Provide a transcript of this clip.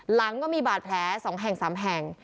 หลังก็มีบาดแผล๒แห่ง๓แห่ง